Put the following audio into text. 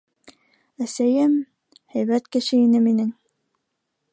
- Әсәйем... һәйбәт кеше ине минең...